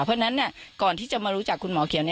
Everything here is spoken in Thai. เพราะฉะนั้นก่อนที่จะมารู้จักคุณหมอเขียว